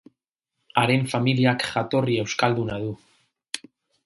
Haren familiak jatorri euskalduna du.